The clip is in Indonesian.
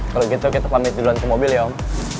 kalau gitu kita pamit duluan ke mobil ya om